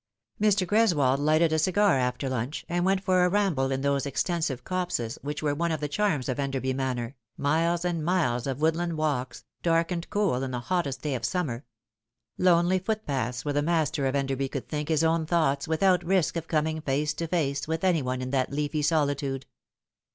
Mr. Greswold lighted a cigar after lunch, and went for a ramble in those extensive copses which were one of the charms of Enderby Manor, miles and miles of woodland walks, dark and cool in the hottest day of summer lonely footpaths where the master of Enderby could think his own thoughts without risk of coming face to face with any one in that leafy solitude.